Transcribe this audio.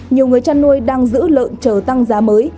nhiều người chăn nuôi đang giữ lợn chờ tăng giá mới